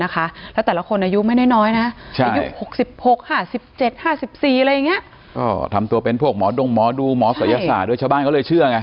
ก็ทำตัวเป็นพวกหมอดงหมอดูหมอศัยศาสตร์ด้วยชาวบ้านเขาเลยเชื่อไง